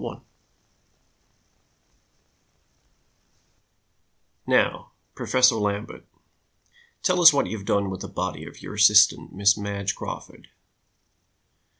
] "Now, Professor Lambert, tell us what you have done with the body of your assistant Miss Madge Crawford.